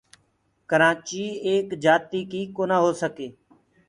ڪرآچيٚ ايڪ جآتيٚ ڪيٚ ڪونآ هو سڪي